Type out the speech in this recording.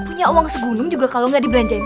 punya uang segunung juga kalau nggak dibelanjain